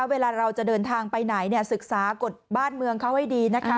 เวลาเราจะเดินทางไปไหนศึกษากฎบ้านเมืองเขาให้ดีนะคะ